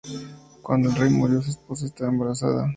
Cuando el rey murió su esposa estaba embarazada.